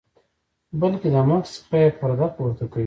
بلکې د مخ څخه یې پرده پورته کوي.